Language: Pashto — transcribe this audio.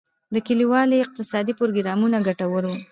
د کلیوالي اقتصاد پروګرامونه ګټور وو؟